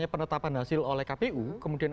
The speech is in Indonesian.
penetapan hasil oleh kpu kemudian